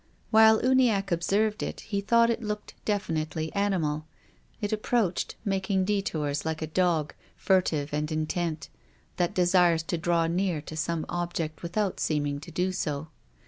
While Uniacke observed it, he thought it looked definitely animal. It ap proached, making detours, like a dog, furtive and intent, that desires to draw near to some object without seeming to do so.